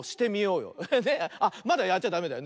あっまだやっちゃダメだよ。